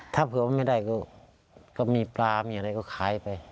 ถ้าเผื่อว่าไม่ได้ก็มีปลามีอะไรก็ขายไป